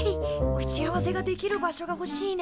打ち合わせができる場所がほしいね。